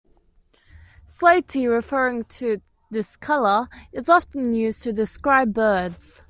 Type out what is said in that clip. Slaty, referring to this color, is often used to describe birds.